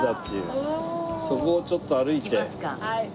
そこをちょっと歩いて。